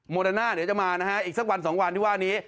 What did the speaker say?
โมเดน่าเดี๋ยวจะมานะฮะอีกสักวันสองวันที่ว่านี้